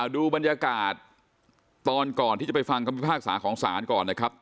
ดูบรรยากาศตอนก่อนที่จะไปฟังคำพิพากษาของศาลก่อนนะครับ